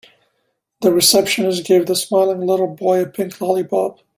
The receptionist gave the smiling little boy a pink lollipop.